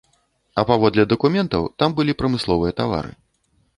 А паводле дакументаў, там былі прамысловыя тавары.